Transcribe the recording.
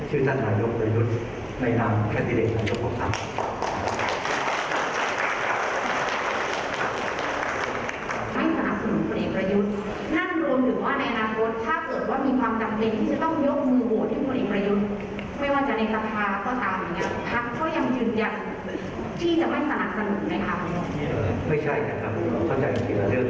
หรือว่าในอนาคตถ้าเกิดมีความจำเป็นจะต้องยกมือโหดที่บริประยุทธ์